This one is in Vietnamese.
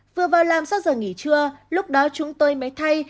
vừa vào làm sau giờ nghỉ trưa lúc đó chúng tôi mới thay